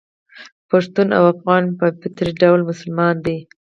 پښتون او افغان په فطري ډول مسلمان دي.